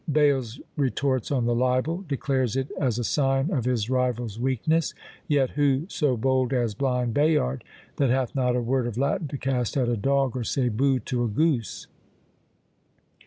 Bales retorts on the libel; declares it as a sign of his rival's weakness, "yet who so bold as blind Bayard, that hath not a word of Latin to cast at a dog, or say Bo! to a goose!"